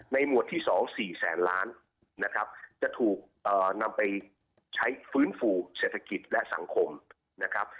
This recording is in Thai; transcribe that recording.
หมวดที่๒๔แสนล้านนะครับจะถูกนำไปใช้ฟื้นฟูเศรษฐกิจและสังคมนะครับ